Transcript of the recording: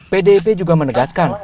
pdip juga menegaskan